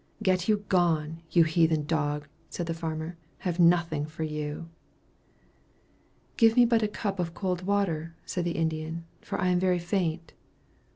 "Get you gone, you heathen dog," said the farmer; "I have nothing for you." "Give me but a cup of cold water," said the Indian, "for I am very faint."